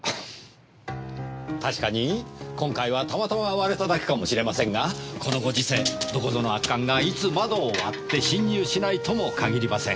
確かに今回はたまたま割れただけかもしれませんがこのご時世どこぞの悪漢がいつ窓を割って侵入しないとも限りません。